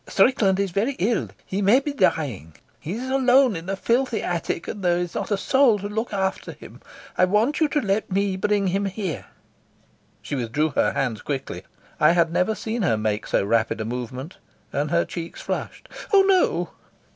"Strickland is very ill. He may be dying. He is alone in a filthy attic, and there is not a soul to look after him. I want you to let me bring him here." She withdrew her hands quickly, I had never seen her make so rapid a movement; and her cheeks flushed. "Oh no."